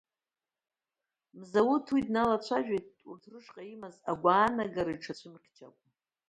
Мзауҭ уи дналацәажәеит, урҭ рышҟа имаз агәаанагара иҽацәымыхьчакәа.